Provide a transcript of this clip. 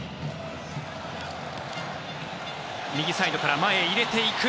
右サイドから前へ入れていく。